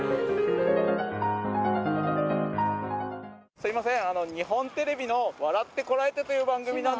すいません。